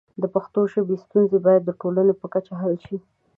د پښتو ژبې ستونزې باید د ټولنې په کچه حل شي.